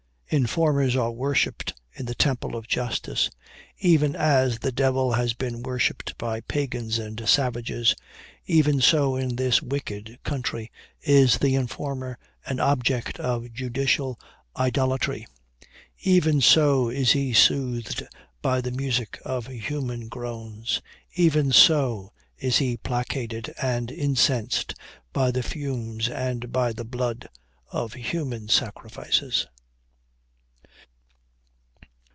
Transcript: Informers are worshipped in the temple of justice, even as the devil has been worshipped by pagans and savages even so, in this wicked country, is the informer an object of judicial idolatry even so is he soothed by the music of human groans even so is he placated and incensed by the fumes and by the blood of human sacrifices."